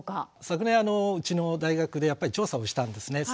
昨年うちの大学で調査をしたんですね。